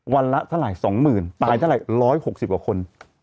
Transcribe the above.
วันละสาหร่ายสองหมื่นตายสาหร่ายล้อยหกสิบกว่าคน